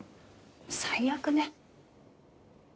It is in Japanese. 最悪ね。